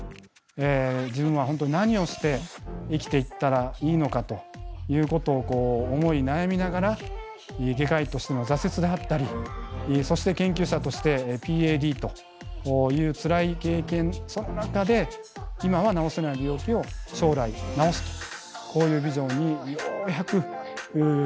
自分は本当何をして生きていったらいいのかということを思い悩みながら外科医としての挫折であったりそして研究者としてＰＡＤというつらい経験その中で今は治せない病気を将来治すとこういうビジョンにようやくたどりついたわけです。